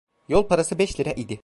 Yol parası beş lira idi.